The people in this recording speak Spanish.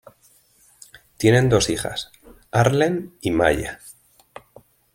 Tienen dos hijas: Arlen y Maya.